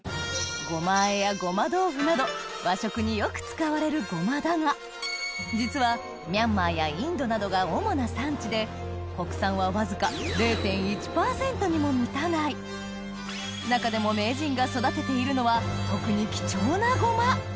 ごま和えやごま豆腐など和食によく使われるごまだが実はミャンマーやインドなどが主な産地で国産はわずか０．１％にも満たない中でも名人が育てているのは特に貴重なごま